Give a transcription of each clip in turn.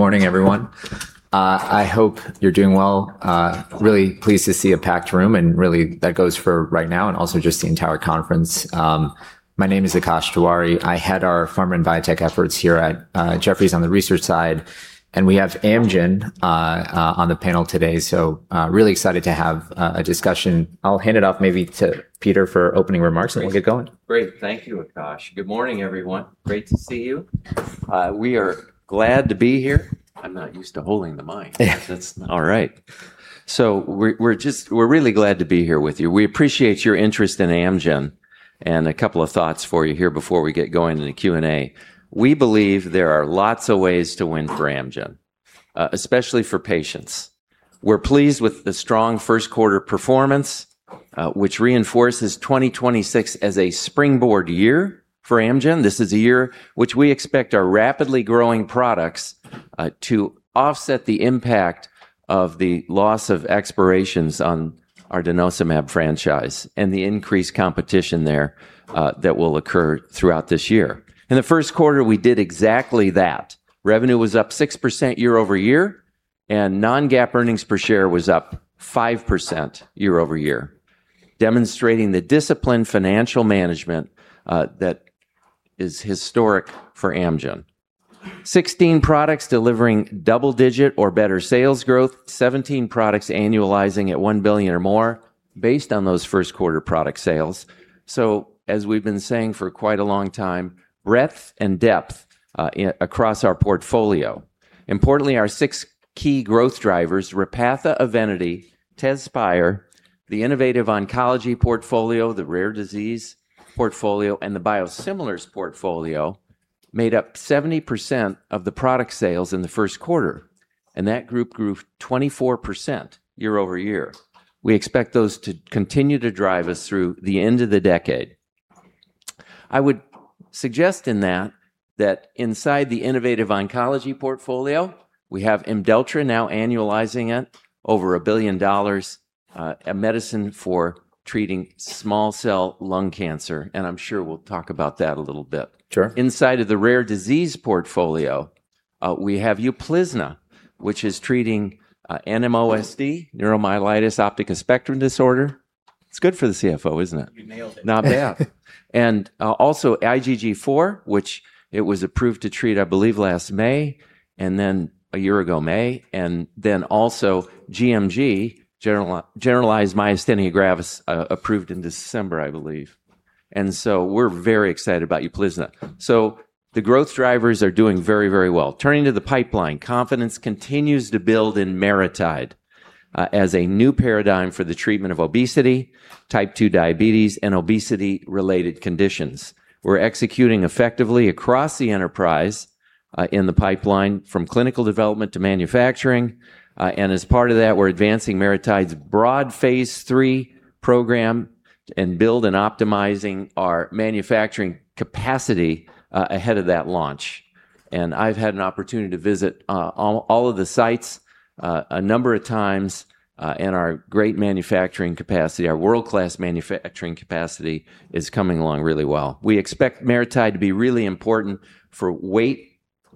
Good morning, everyone. I hope you're doing well. Really pleased to see a packed room and really that goes for right now and also just the entire conference. My name is Akash Tewari. I head our pharma and biotech efforts here at Jefferies on the research side, and we have Amgen on the panel today, so really excited to have a discussion. I'll hand it off maybe to Peter for opening remarks, and we'll get going. Great. Thank you, Akash. Good morning, everyone. Great to see you. We are glad to be here. I'm not used to holding the mic. That's all right. We're really glad to be here with you. We appreciate your interest in Amgen, and a couple of thoughts for you here before we get going in the Q&A. We believe there are lots of ways to win for Amgen, especially for patients. We're pleased with the strong first quarter performance, which reinforces 2026 as a springboard year for Amgen. This is a year which we expect our rapidly growing products to offset the impact of the loss of expirations on our denosumab franchise and the increased competition there that will occur throughout this year. In the first quarter, we did exactly that. Revenue was up 6% year-over-year, and non-GAAP earnings per share was up 5% year-over-year, demonstrating the disciplined financial management that is historic for Amgen. 16 products delivering double-digit or better sales growth, 17 products annualizing at $1 billion or more based on those first quarter product sales. As we've been saying for quite a long time, breadth and depth across our portfolio. Importantly, our six key growth drivers, Repatha, EVENITY, TEZSPIRE, the innovative oncology portfolio, the rare disease portfolio, and the biosimilars portfolio, made up 70% of the product sales in the first quarter, and that group grew 24% year-over-year. We expect those to continue to drive us through the end of the decade. I would suggest in that inside the innovative oncology portfolio, we have IMDELLTRA now annualizing at over a billion dollars, a medicine for treating small cell lung cancer, and I'm sure we'll talk about that a little bit. Sure. Inside of the rare disease portfolio, we have UPLIZNA, which is treating NMOSD, neuromyelitis optica spectrum disorder. It's good for the CFO, isn't it? You nailed it. Not bad. Also IgG4-RD, which it was approved to treat, I believe last May, and then a year ago May, and then also gMG, generalized myasthenia gravis, approved in December, I believe. We're very excited about UPLIZNA. The growth drivers are doing very, very well. Turning to the pipeline, confidence continues to build in MariTide as a new paradigm for the treatment of obesity, type 2 diabetes, and obesity-related conditions. We're executing effectively across the enterprise, in the pipeline from clinical development to manufacturing. As part of that, we're advancing MariTide's broad phase III program and build and optimizing our manufacturing capacity ahead of that launch. I've had an opportunity to visit all of the sites a number of times, and our great manufacturing capacity, our world-class manufacturing capacity is coming along really well. We expect MariTide to be really important for weight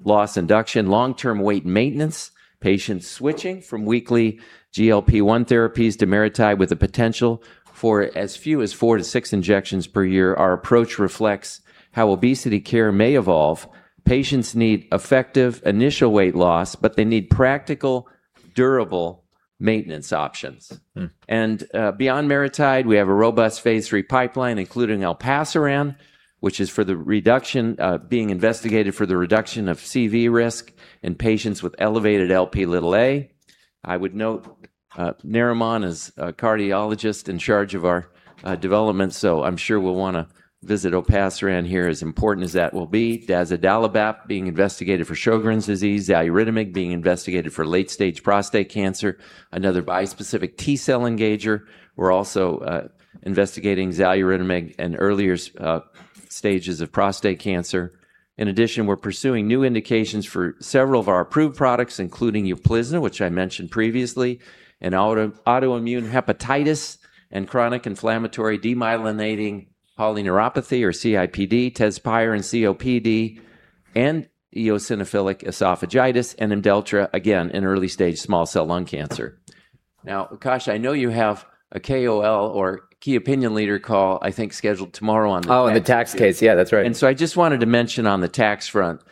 loss induction, long-term weight maintenance, patients switching from weekly GLP-1 therapies to MariTide with the potential for as few as four to six injections per year. Our approach reflects how obesity care may evolve. Patients need effective initial weight loss, but they need practical, durable maintenance options. Beyond MariTide, we have a robust phase III pipeline, including olpasiran, which is being investigated for the reduction of CV risk in patients with elevated Lp(a). I would note Narimon is a cardiologist in charge of our development, so I'm sure we'll want to visit olpasiran here, as important as that will be. Dazodalibep being investigated for Sjögren's disease, xaluritamig being investigated for late-stage prostate cancer, another bispecific T-cell engager. We're also investigating xaluritamig in earlier stages of prostate cancer. In addition, we're pursuing new indications for several of our approved products, including UPLIZNA, which I mentioned previously, and autoimmune hepatitis and chronic inflammatory demyelinating polyneuropathy or CIDP, TEZSPIRE and COPD, and eosinophilic esophagitis and IMDELLTRA, again in early-stage small cell lung cancer. Now, Akash, I know you have a KOL or key opinion leader call, I think scheduled tomorrow on the tax- Oh, on the tax case. Yeah, that's right. I just wanted to mention on the tax front,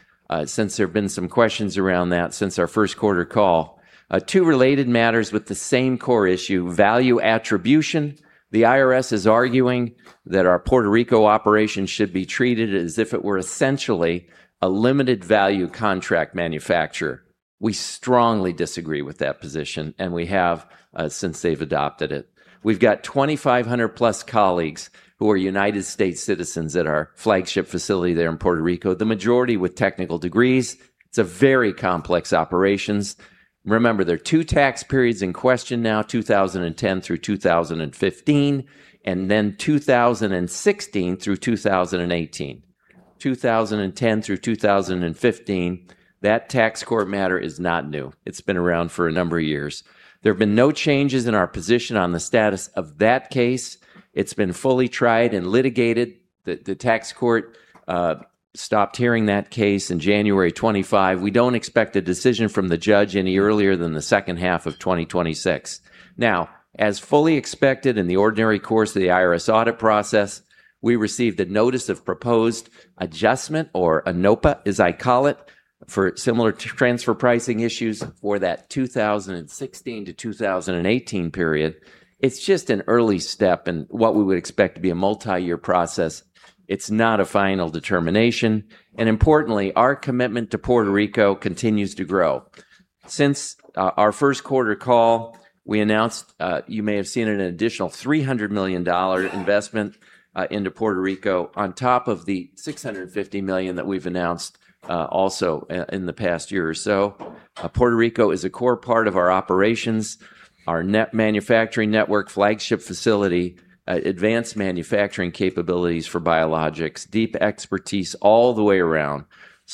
since there have been some questions around that since our first quarter call. Two related matters with the same core issue, value attribution. The IRS is arguing that our Puerto Rico operation should be treated as if it were essentially a limited value contract manufacturer. We strongly disagree with that position, and we have since they've adopted it. We've got 2,500 plus colleagues who are U.S. citizens at our flagship facility there in Puerto Rico, the majority with technical degrees. It's a very complex operations. Remember, there are two tax periods in question now, 2010-2015 and then 2016-2018. 2010-2015, that tax court matter is not new. It's been around for a number of years. There have been no changes in our position on the status of that case. It's been fully tried and litigated. The tax court stopped hearing that case in January 2025. We don't expect a decision from the judge any earlier than the second half of 2026. As fully expected in the ordinary course of the IRS audit process, we received a notice of proposed adjustment, or a NOPA, as I call it, for similar transfer pricing issues for that 2016-2018 period. It's just an early step in what we would expect to be a multi-year process. It's not a final determination. Importantly, our commitment to Puerto Rico continues to grow. Since our first quarter call, we announced, you may have seen it, an additional $300 million investment into Puerto Rico on top of the $650 million that we've announced also in the past year or so. Puerto Rico is a core part of our operations, our net manufacturing network flagship facility, advanced manufacturing capabilities for biologics, deep expertise all the way around.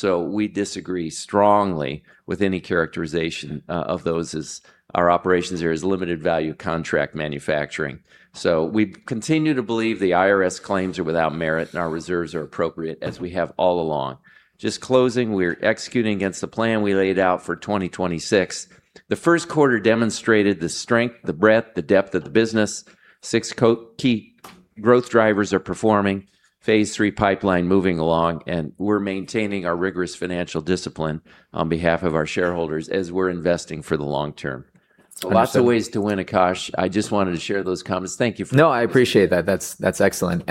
We disagree strongly with any characterization of those as our operations there as limited value contract manufacturing. We continue to believe the IRS claims are without merit and our reserves are appropriate as we have all along. Just closing, we're executing against the plan we laid out for 2026. The first quarter demonstrated the strength, the breadth, the depth of the business. Six key growth drivers are performing, phase III pipeline moving along, and we're maintaining our rigorous financial discipline on behalf of our shareholders as we're investing for the long term. Understood. Lots of ways to win, Akash. I just wanted to share those comments. No, I appreciate that. That's excellent.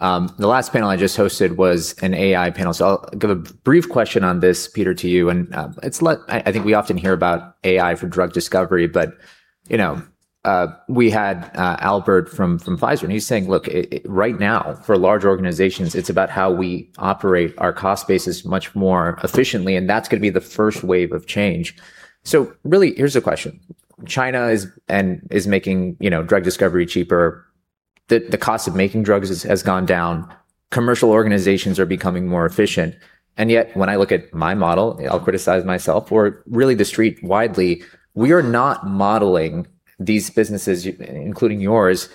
The last panel I just hosted was an AI panel. I'll give a brief question on this, Peter, to you. I think we often hear about AI for drug discovery, but we had Albert from Pfizer. He's saying, "Look, right now, for large organizations, it's about how we operate our cost bases much more efficiently, and that's going to be the first wave of change." Really, here's the question China is making drug discovery cheaper. The cost of making drugs has gone down. Commercial organizations are becoming more efficient. Yet, when I look at my model, I'll criticize myself or really the street widely, we are not modeling these businesses, including yours,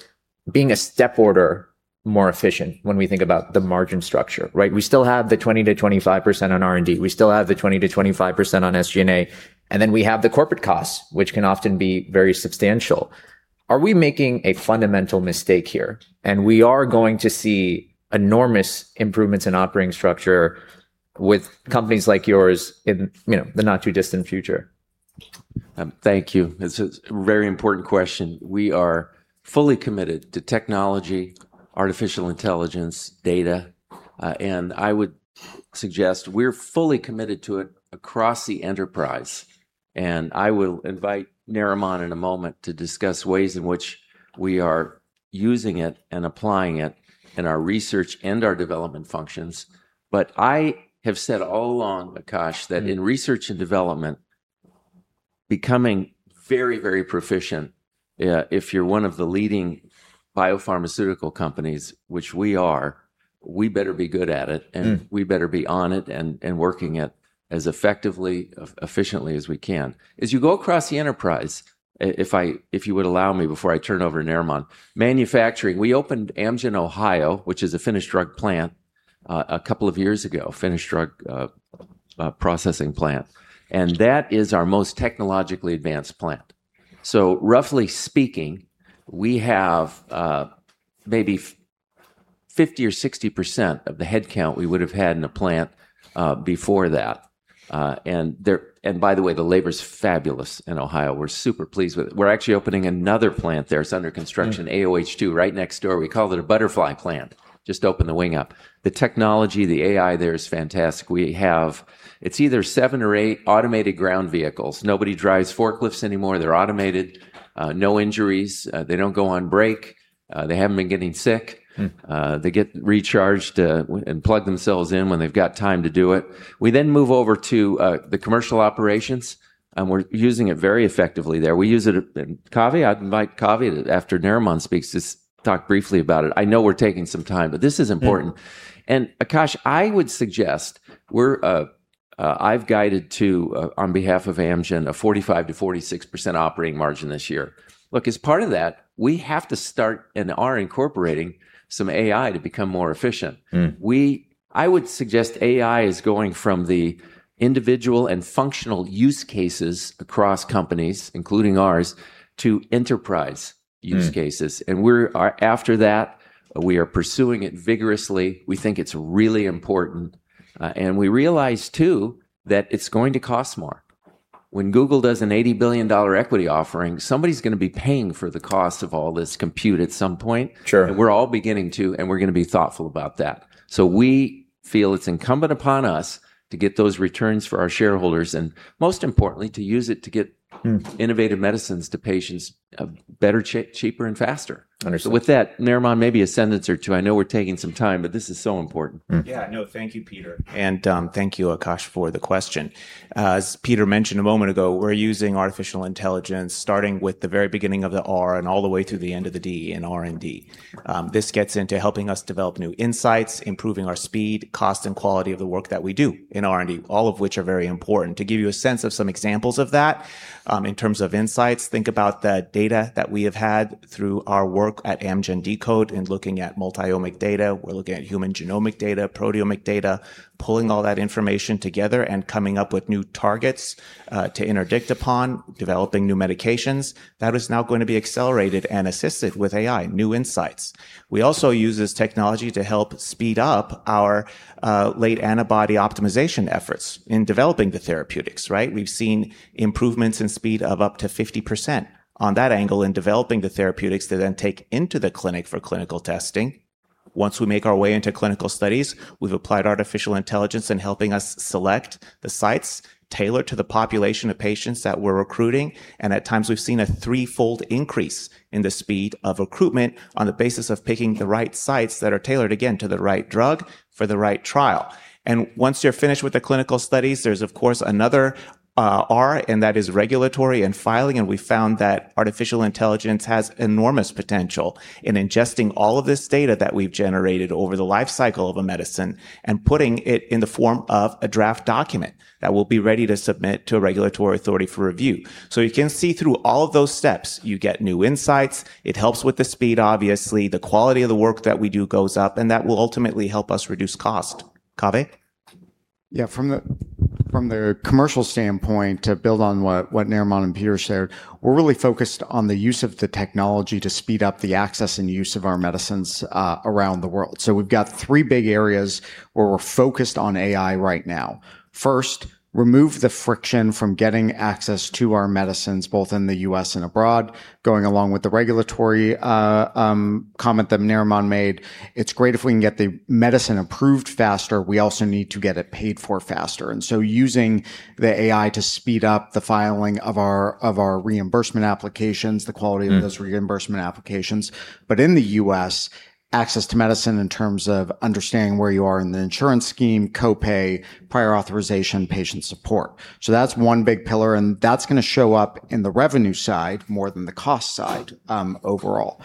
being a step order more efficient when we think about the margin structure, right? We still have the 20%-25% on R&D. We still have the 20%-25% on SG&A, and then we have the corporate costs, which can often be very substantial. Are we making a fundamental mistake here, and we are going to see enormous improvements in operating structure with companies like yours in the not too distant future? Thank you. It's a very important question. We are fully committed to technology, artificial intelligence, data. I would suggest we're fully committed to it across the enterprise, and I will invite Narimon in a moment to discuss ways in which we are using it and applying it in our research and our development functions. I have said all along, Akash, that in research and development, becoming very, very proficient, if you're one of the leading biopharmaceutical companies, which we are, we better be good at it. We better be on it and working it as effectively, efficiently as we can. As you go across the enterprise, if you would allow me before I turn over to Narimon, manufacturing, we opened Amgen Ohio, which is a finished drug plant, a couple of years ago, finished drug processing plant, and that is our most technologically advanced plant. Roughly speaking, we have maybe 50% or 60% of the headcount we would have had in the plant before that. By the way, the labor's fabulous in Ohio. We're super pleased with it. We're actually opening another plant there. It's under construction. AOH2, right next door. We called it a butterfly plant, just open the wing up. The technology, the AI there is fantastic. We have, it's either seven or eight automated ground vehicles. Nobody drives forklifts anymore they're automated, no injuries, they don't go on break, they haven't been getting sick, they get recharged, and plug themselves in when they've got time to do it. We move over to the commercial operations, and we're using it very effectively there. Kave, I'd invite Kave after Narimon speaks, just talk briefly about it. I know we're taking some time, but this is important. Yeah. Akash, I would suggest, I've guided to, on behalf of Amgen, a 45%-46% operating margin this year. Look, as part of that, we have to start, and are incorporating, some AI to become more efficient. I would suggest AI is going from the individual and functional use cases across companies, including ours, to enterprise use cases. We're after that we are pursuing it vigorously we think it's really important we realize too that it's going to cost more. When Google does an $80 billion equity offering, somebody's going to be paying for the cost of all this compute at some point. Sure. We're all going to be thoughtful about that. We feel it's incumbent upon us to get those returns for our shareholders, and most importantly to use it. Innovative medicines to patients better, cheaper, and faster. Understood. With that, Narimon, maybe a sentence or two. I know we're taking some time, but this is so important. Yeah, no, thank you, Peter, and thank you, Akash, for the question. As Peter mentioned a moment ago, we're using artificial intelligence, starting with the very beginning of the R and all the way to the end of the D in R&D. This gets into helping us develop new insights, improving our speed, cost, and quality of the work that we do in R&D, all of which are very important. To give you a sense of some examples of that, in terms of insights, think about the data that we have had through our work at Amgen deCODE and looking at multi-omic data. We're looking at human genomic data, proteomic data, pulling all that information together and coming up with new targets to interdict upon developing new medications. That is now going to be accelerated and assisted with AI, new insights. We also use this technology to help speed up our late antibody optimization efforts in developing the therapeutics, right? We've seen improvements in speed of up to 50% on that angle in developing the therapeutics to then take into the clinic for clinical testing. Once we make our way into clinical studies, we've applied artificial intelligence in helping us select the sites tailored to the population of patients that we're recruiting, and at times we've seen a threefold increase in the speed of recruitment on the basis of picking the right sites that are tailored, again, to the right drug for the right trial. Once you're finished with the clinical studies, there's of course another R, and that is regulatory and filing, and we found that artificial intelligence has enormous potential in ingesting all of this data that we've generated over the life cycle of a medicine and putting it in the form of a draft document that we'll be ready to submit to a regulatory authority for review. You can see through all of those steps, you get new insights it helps with the speed, obviously. The quality of the work that we do goes up, and that will ultimately help us reduce cost. Kave? Yeah. From the commercial standpoint, to build on what Narimon and Peter shared, we're really focused on the use of the technology to speed up the access and use of our medicines around the world. We've got three big areas where we're focused on AI right now. First, remove the friction from getting access to our medicines both in the U.S. and abroad, going along with the regulatory comment that Narimon made it's great if we can get the medicine approved faster. We also need to get it paid for faster, using the AI to speed up the filing of our reimbursement applications, the quality of those reimbursement applications, in the U.S., access to medicine in terms of understanding where you are in the insurance scheme, co-pay, prior authorization, patient support. That's one big pillar, and that's going to show up in the revenue side more than the cost side overall.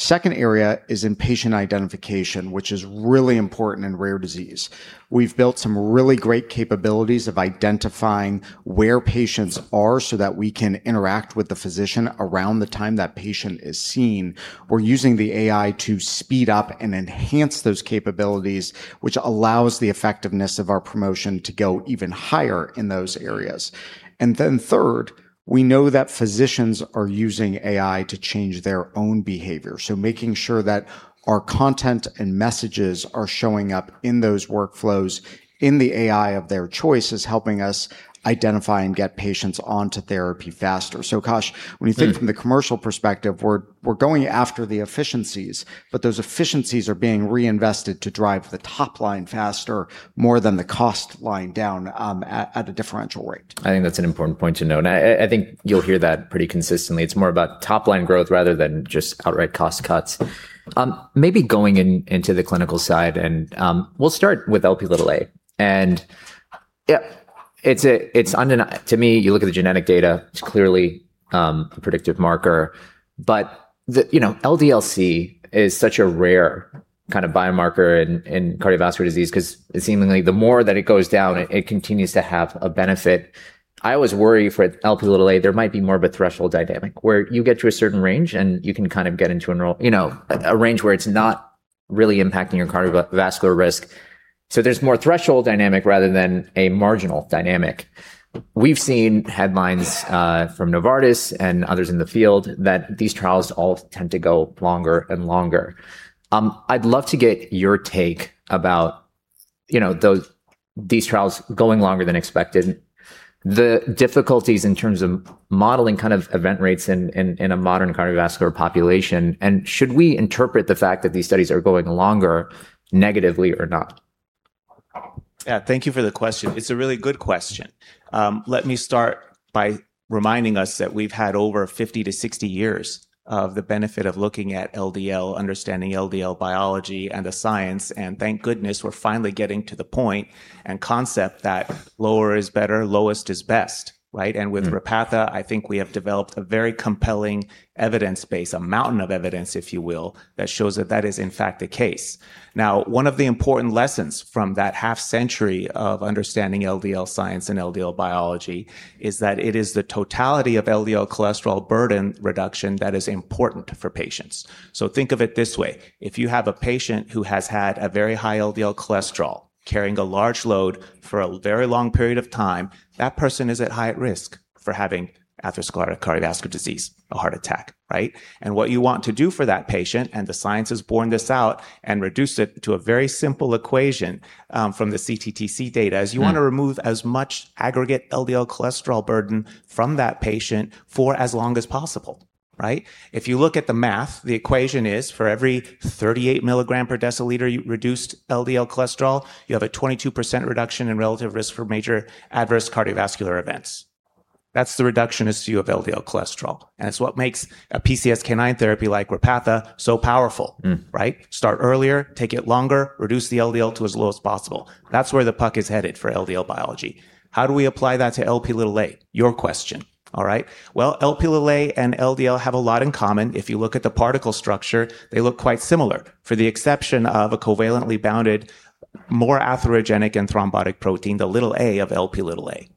Second area is in patient identification, which is really important in rare disease. We've built some really great capabilities of identifying where patients are so that we can interact with the physician around the time that patient is seen. We're using the AI to speed up and enhance those capabilities, which allows the effectiveness of our promotion to go even higher in those areas. Third, we know that physicians are using AI to change their own behavior. Making sure that our content and messages are showing up in those workflows in the AI of their choice is helping us identify and get patients onto therapy faster. Akash, when you think from the commercial perspective, we're going after the efficiencies, but those efficiencies are being reinvested to drive the top line faster, more than the cost line down at a differential rate. I think that's an important point to note, and I think you'll hear that pretty consistently. It's more about top-line growth rather than just outright cost cuts. Maybe going into the clinical side, and we'll start with Lp (a). To me, you look at the genetic data, it's clearly a predictive marker LDL-C is such a rare biomarker in atherosclerotic cardiovascular disease because seemingly the more that it goes down, it continues to have a benefit. I always worry for Lp(a) there might be more of a threshold dynamic, where you get to a certain range and you can get into a range where it's not really impacting your cardiovascular risk. There's more threshold dynamic rather than a marginal dynamic. We've seen headlines from Novartis and others in the field that these trials all tend to go longer and longer. I'd love to get your take about these trials going longer than expected, the difficulties in terms of modeling event rates in a modern cardiovascular population, and should we interpret the fact that these studies are going longer negatively or not? Yeah. Thank you for the question. It's a really good question. Let me start by reminding us that we've had over 50-60 years of the benefit of looking at LDL, understanding LDL biology and the science, and thank goodness we're finally getting to the point and concept that lower is better, lowest is best. Right? With Repatha, I think we have developed a very compelling evidence base, a mountain of evidence if you will, that shows that that is in fact the case. One of the important lessons from that half century of understanding LDL science and LDL biology is that it is the totality of LDL cholesterol burden reduction that is important for patients. Think of it this way if you have a patient who has had a very high LDL cholesterol, carrying a large load for a very long period of time, that person is at high risk for having atherosclerotic cardiovascular disease, a heart attack. Right? What you want to do for that patient, and the science has borne this out and reduced it to a very simple equation from the CTT data. is you want to remove as much aggregate LDL cholesterol burden from that patient for as long as possible. Right? If you look at the math, the equation is for every 38 mg/dL reduced LDL cholesterol, you have a 22% reduction in relative risk for major adverse cardiovascular events. That's the reductionist view of LDL cholesterol, and it's what makes a PCSK9 therapy like Repatha so powerful. Right? Start earlier, take it longer, reduce the LDL to as low as possible. That's where the puck is headed for LDL biology. How do we apply that to Lp(a)? Your question. All right well, Lp(a) and LDL have a lot in common if you look at the particle structure, they look quite similar, for the exception of a covalently bounded, more atherogenic and thrombotic protein LDL of Lp(a).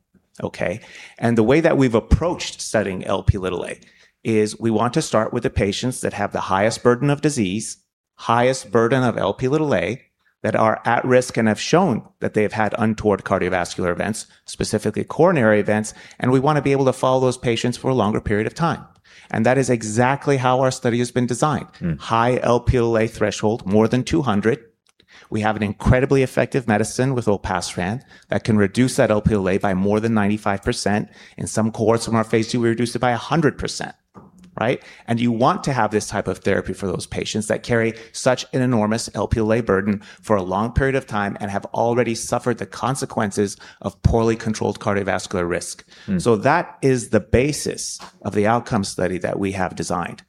Okay? The way that we've approached studying Lp(a) is we want to start with the patients that have the highest burden of disease, highest burden of Lp(a), that are at risk and have shown that they have had untoward cardiovascular events, specifically coronary events, and we want to be able to follow those patients for a longer period of time. That is exactly how our study has been designed. High Lp(a) threshold, more than 200 we have an incredibly effective medicine with olpasiran that can reduce that Lp(a) by more than 95%. In some cohorts from our phase II we reduced it by 100%. You want to have this type of therapy for those patients that carry such an enormous Lp(a) burden for a long period of time and have already suffered the consequences of poorly controlled cardiovascular risk. That is the basis of the outcome study that we have designed.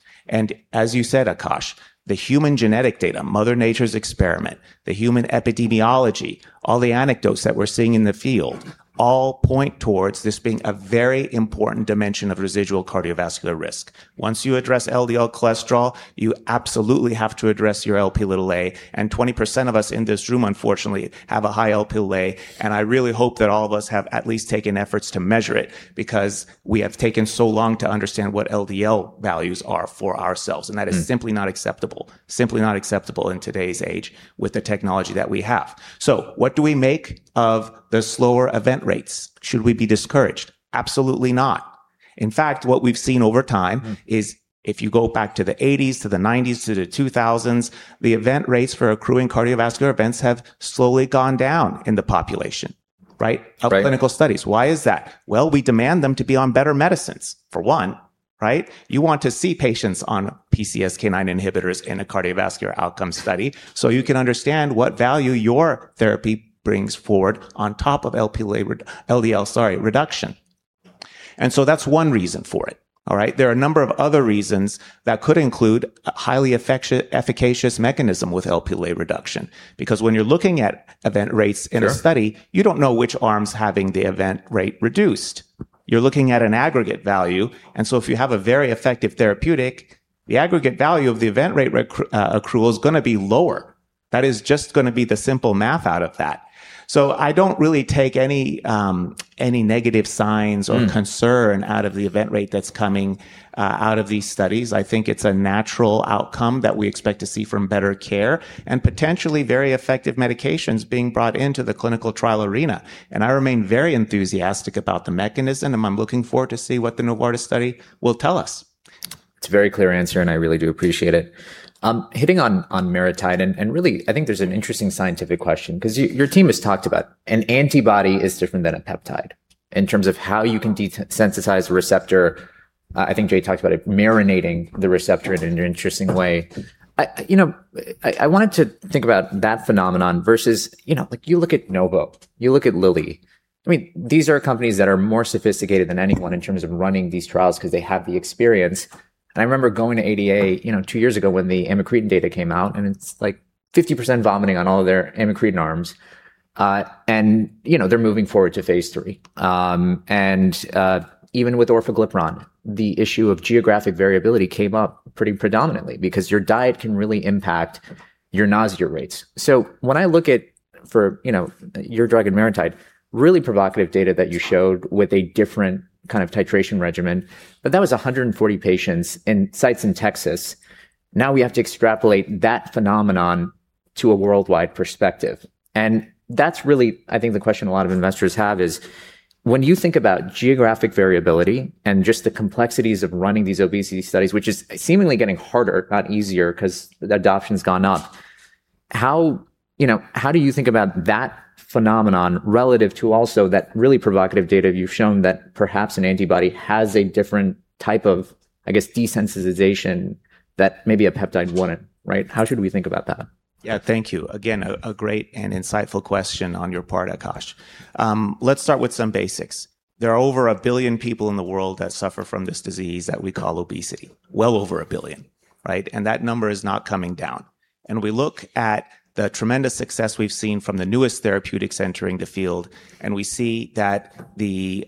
As you said, Akash, the human genetic data, Mother Nature's experiment, the human epidemiology, all the anecdotes that we're seeing in the field, all point towards this being a very important dimension of residual cardiovascular risk. Once you address LDL cholesterol, you absolutely have to address your Lp(a), and 20% of us in this room, unfortunately, have a high Lp(a), and I really hope that all of us have at least taken efforts to measure it because we have taken so long to understand what LDL values are for ourselves. That is simply not acceptable in today's age with the technology that we have. What do we make of the slower event rates? Should we be discouraged? Absolutely not. In fact, what we've seen over time. If you go back to the 1980s, to the 1990s, to the 2000s, the event rates for accruing cardiovascular events have slowly gone down in the population of clinical studies. Why is that? Well we demand them to be on better medicines, for one. You want to see patients on PCSK9 inhibitors in a cardiovascular outcome study so you can understand what value your therapy brings forward on top of LDL reduction. That's one reason for it there are a number of other reasons that could include a highly efficacious mechanism with Lp reduction. Because when you're looking at event rates in a study you don't know which arm's having the event rate reduced. You're looking at an aggregate value. If you have a very effective therapeutic, the aggregate value of the event rate accrual is going to be lower. That is just going to be the simple math out of that. I don't really take any negative signs or concern- out of the event rate that's coming out of these studies. I think it's a natural outcome that we expect to see from better care and potentially very effective medications being brought into the clinical trial arena. I remain very enthusiastic about the mechanism, and I'm looking forward to see what the Novartis study will tell us. It's a very clear answer, and I really do appreciate it. Hitting on MariTide, and really, I think there's an interesting scientific question because your team has talked about an antibody is different than a peptide in terms of how you can desensitize a receptor. I think Jay talked about it marinating the receptor in an interesting way. I wanted to think about that phenomenon versus you look at Novo, you look at Lilly. These are companies that are more sophisticated than anyone in terms of running these trials because they have the experience. I remember going to ADA two years ago when the amycretin data came out, and it's like 50% vomiting on all of their amycretin arms. They're moving forward to phase III. Even with orforglipron, the issue of geographic variability came up pretty predominantly because your diet can really impact your nausea rates. When I look at your drug and MariTide, really provocative data that you showed with a different kind of titration regimen. That was 140 patients in sites in Texas we have to extrapolate that phenomenon to a worldwide perspective, and that's really the question a lot of investors have is when you think about geographic variability and just the complexities of running these obesity studies, which is seemingly getting harder, not easier because the adoption's gone up. How do you think about that phenomenon relative to also that really provocative data you've shown that perhaps an antibody has a different type of desensitization that maybe a peptide wouldn't? How should we think about that? Thank you. Again, a great and insightful question on your part, Akash. Let's start with some basics. There are over 1 billion people in the world that suffer from this disease that we call obesity well over 1 billion. That number is not coming down. We look at the tremendous success we've seen from the newest therapeutics entering the field, and we see that the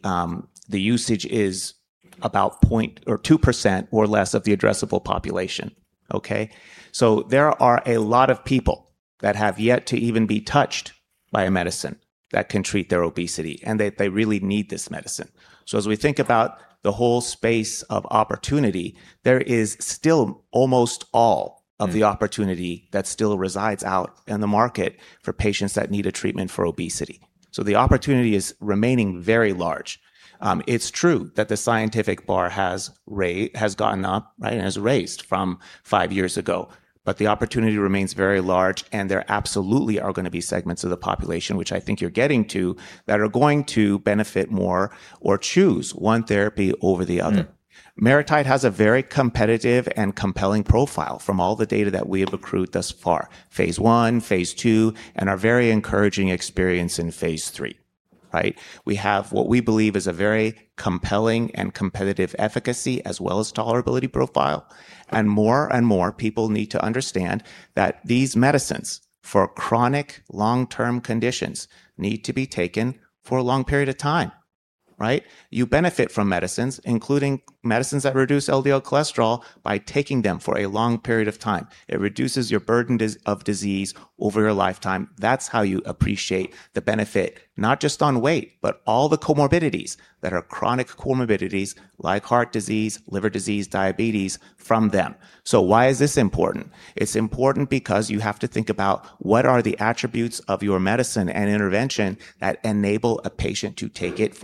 usage is about 2% or less of the addressable population. There are a lot of people that have yet to even be touched by a medicine that can treat their obesity, and they really need this medicine. As we think about the whole space of opportunity, there is still almost all of the opportunity that still resides out in the market for patients that need a treatment for obesity. The opportunity is remaining very large. It's true that the scientific bar has gone up, has raised from five years ago. The opportunity remains very large, and there absolutely are going to be segments of the population, which I think you're getting to, that are going to benefit more or choose one therapy over the other. MariTide has a very competitive and compelling profile from all the data that we have accrued thus far. phase I, phase II, and our very encouraging experience in phase III. We have what we believe is a very compelling and competitive efficacy as well as tolerability profile. More and more people need to understand that these medicines for chronic long-term conditions need to be taken for a long period of time. Right? You benefit from medicines, including medicines that reduce LDL cholesterol, by taking them for a long period of time. It reduces your burden of disease over your lifetime that's how you appreciate the benefit, not just on weight, but all the comorbidities that are chronic comorbidities, like heart disease, liver disease, diabetes, from them. Why is this important? It's important because you have to think about what are the attributes of your medicine and intervention that enable a patient to take it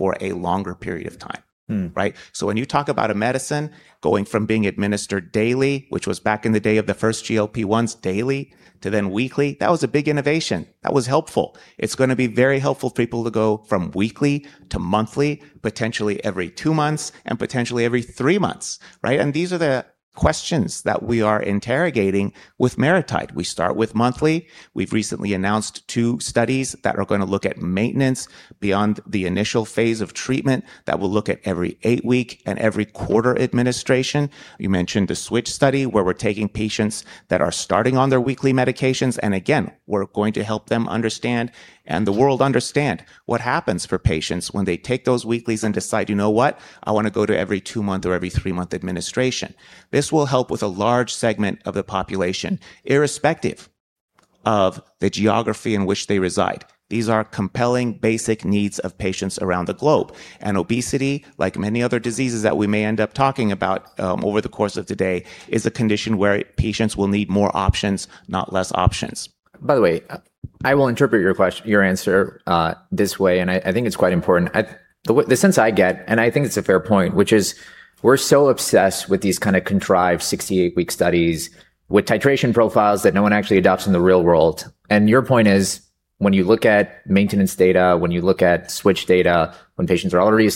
for a longer period of time. When you talk about a medicine going from being administered daily, which was back in the day of the first GLP-1s daily, to then weekly, that was a big innovation. That was helpful it's going to be very helpful for people to go from weekly to monthly, potentially every two months, and potentially every three months, right? These are the questions that we are interrogating with MariTide. We start with monthly. We've recently announced two studies that are going to look at maintenance beyond the initial phase of treatment that will look at every eight week and every quarter administration. You mentioned the switch study, where we're taking patients that are starting on their weekly medications, and again, we're going to help them understand, and the world understand, what happens for patients when they take those weeklies and decide, you know what I want to go to every two month or every three month administration. This will help with a large segment of the population, irrespective of the geography in which they reside. These are compelling basic needs of patients around the globe. Obesity, like many other diseases that we may end up talking about over the course of today, is a condition where patients will need more options, not less options. By the way, I will interpret your answer this way, and I think it's quite important. The sense I get, and I think it's a fair point, which is we're so obsessed with these kind of contrived 68-week studies with titration profiles that no one actually adopts in the real world. Your point is, when you look at maintenance data, when you look at switch data, when patients are already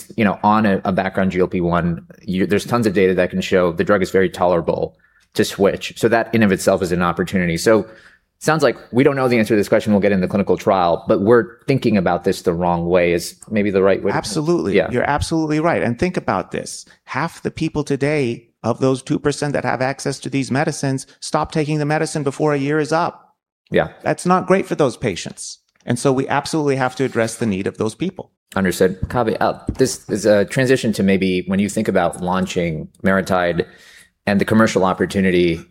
on a background GLP-1, there's tons of data that can show the drug is very tolerable to switch. That, in and of itself, is an opportunity. Sounds like we don't know the answer to this question we'll get in the clinical trial, but we're thinking about this the wrong way is maybe the right way to. Absolutely. Yeah. You're absolutely right. Think about this. Half the people today, of those 2% that have access to these medicines, stop taking the medicine before a year is up. Yeah. That's not great for those patients. We absolutely have to address the need of those people. Understood. Kave, this is a transition to maybe when you think about launching MariTide and the commercial opportunity.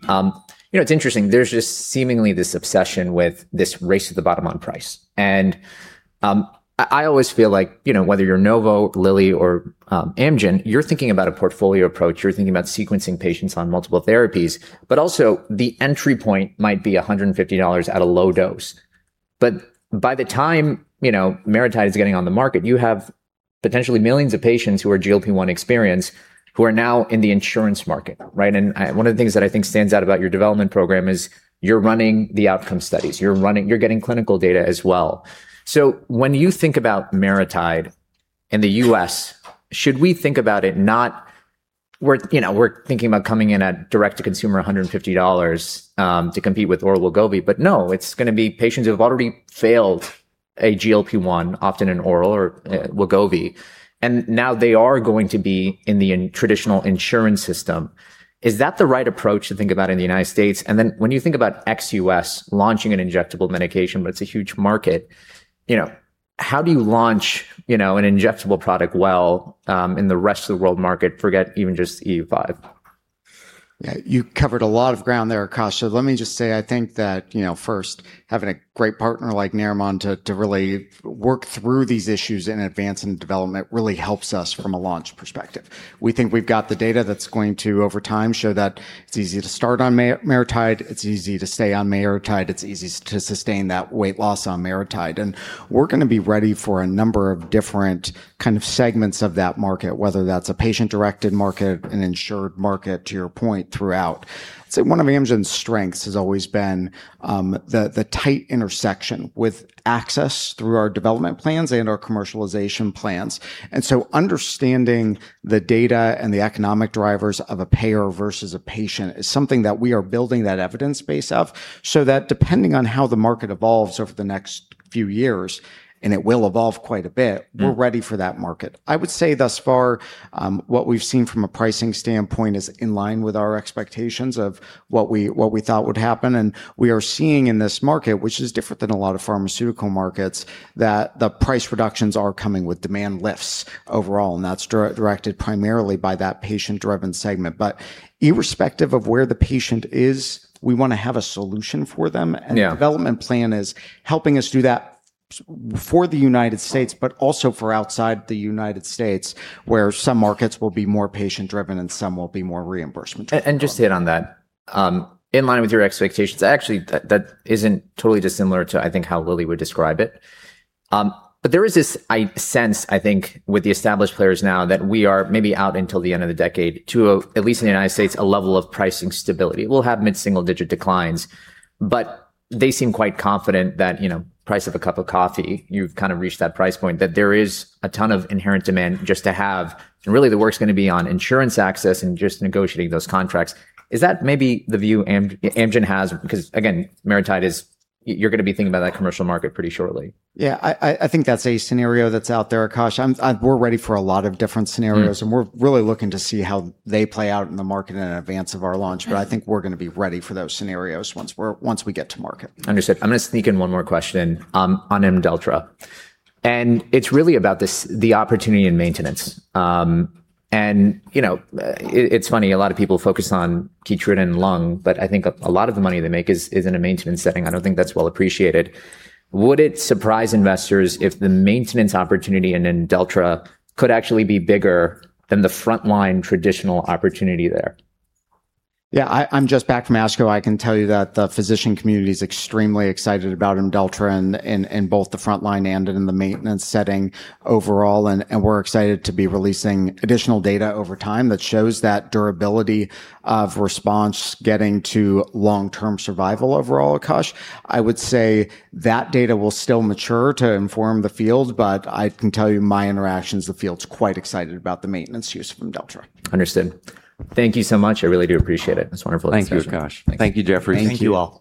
It's interesting. There's just seemingly this obsession with this race to the bottom on price. I always feel like, whether you're Novo, Lilly, or Amgen, you're thinking about a portfolio approach. You're thinking about sequencing patients on multiple therapies. Also, the entry point might be $150 at a low dose. By the time MariTide is getting on the market, you have potentially millions of patients who are GLP-1 experienced who are now in the insurance market, right? One of the things that I think stands out about your development program is you're running the outcome studies. You're getting clinical data as well. When you think about MariTide in the U.S., should we think about it not we're thinking about coming in at direct-to-consumer $150 to compete with oral Wegovy, but no, it's going to be patients who have already failed a GLP-1, often an oral or Wegovy, and now they are going to be in the traditional insurance system. Is that the right approach to think about in the United States? When you think about ex-U.S., launching an injectable medication, but it's a huge market, how do you launch an injectable product well in the rest of the world market, forget even just EU5? Yeah. You covered a lot of ground there, Akash. Let me just say, I think that first, having a great partner like Narimon to really work through these issues in advance in development really helps us from a launch perspective. We think we've got the data that's going to, over time, show that it's easy to start on MariTide, it's easy to stay on MariTide, it's easy to sustain that weight loss on MariTide. We're going to be ready for a number of different kind of segments of that market, whether that's a patient-directed market, an insured market, to your point, throughout. I'd say one of Amgen's strengths has always been the tight intersection with access through our development plans and our commercialization plans. Understanding the data and the economic drivers of a payer versus a patient is something that we are building that evidence base of. Depending on how the market evolves over the next few years, and it will evolve quite a bit. we're ready for that market. I would say thus far, what we've seen from a pricing standpoint is in line with our expectations of what we thought would happen, and we are seeing in this market, which is different than a lot of pharmaceutical markets, that the price reductions are coming with demand lifts overall, and that's directed primarily by that patient-driven segment. Irrespective of where the patient is, we want to have a solution for them. Yeah. The development plan is helping us do that for the U.S., but also for outside the U.S., where some markets will be more patient driven and some will be more reimbursement driven. Just hit on that. In line with your expectations, actually, that isn't totally dissimilar to, I think, how Lilly would describe it. There is this sense, I think, with the established players now that we are maybe out until the end of the decade to, at least in the United States, a level of pricing stability. We'll have mid-single digit declines. They seem quite confident that price of a cup of coffee, you've kind of reached that price point, that there is a ton of inherent demand just to have. Really the work's going to be on insurance access and just negotiating those contracts. Is that maybe the view Amgen has? Again, MariTide is, you're going to be thinking about that commercial market pretty shortly. Yeah. I think that's a scenario that's out there, Akash. We're ready for a lot of different scenarios. We're really looking to see how they play out in the market in advance of our launch. I think we're going to be ready for those scenarios once we get to market. Understood. I'm going to sneak in one more question on IMDELLTRA. It's really about the opportunity in maintenance. It's funny, a lot of people focus on KEYTRUDA in lung, but I think a lot of the money they make is in a maintenance setting. I don't think that's well appreciated. Would it surprise investors if the maintenance opportunity in IMDELLTRA could actually be bigger than the frontline traditional opportunity there? Yeah. I'm just back from ASCO. I can tell you that the physician community is extremely excited about IMDELLTRA in both the frontline and in the maintenance setting overall, and we're excited to be releasing additional data over time that shows that durability of response getting to long-term survival overall, Akash. I would say that data will still mature to inform the field, but I can tell you my interactions, the field's quite excited about the maintenance use of IMDELLTRA. Understood. Thank you so much. I really do appreciate it. It's a wonderful discussion. Thank you, Akash. Thank you. Thank you, Jefferies. Thank you. Thank you, all.